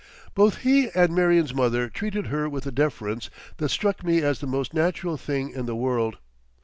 Both he and Marion's mother treated her with a deference that struck me as the most natural thing in the world.